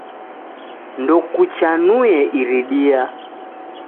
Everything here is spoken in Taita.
Ndokuchanue iridia.